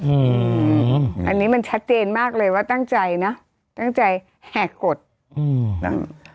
อืมอันนี้มันชัดเจนมากเลยว่าตั้งใจเนอะตั้งใจแหกกฎอืมนะ